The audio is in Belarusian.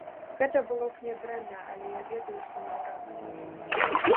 Гэта было б нядрэнна, але я ведаю, што наўрад ці!